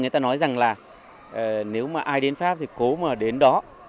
hồ hoàn kiếm nói rằng là nếu mà ai đến pháp thì cố mà đến đó